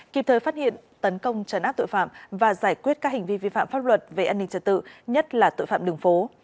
kịp thời phát hiện tấn công trấn áp tội phạm và giải quyết các hành vi vi phạm pháp luật về an ninh trật tự nhất là tội phạm đường phố